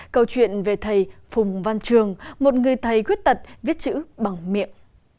câu chuyện về thầy phùng văn trường một người thầy quyết tật viết chữ bằng miệng